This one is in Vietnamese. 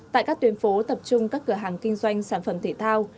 tại các tuyến phố tập trung các cửa hàng kinh doanh sản phẩm thể thao